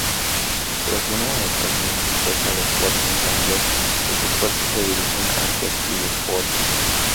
Tras una demostración exitosa de fuerza en Tánger, los esfuerzos se dirigieron hacia Trípoli.